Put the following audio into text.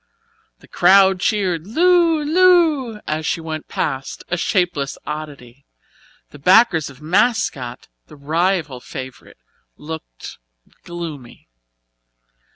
The crowd cheered "Lu Lu" as she went past, a shapeless oddity. The backers of "Mascot", the rival favourite, looked gloomy.